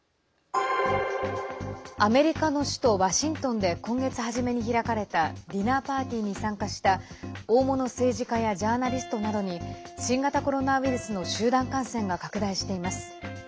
アメリカの首都ワシントンで今月初めに開かれたディナーパーティーに参加した大物政治家やジャーナリストなどに新型コロナウイルスの集団感染が拡大しています。